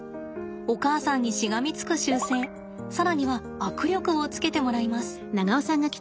お母さんにしがみつく習性更には握力をつけてもらいます。